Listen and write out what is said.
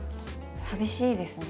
寂しいですね。